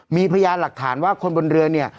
มีพยานหลักฐานว่าคนบนเรือเนี่ย